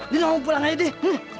dia mau pulang aja deh